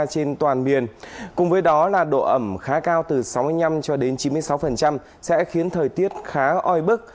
trên toàn biển cùng với đó là độ ẩm khá cao từ sáu mươi năm cho đến chín mươi sáu phần trăm sẽ khiến thời tiết khá oi bức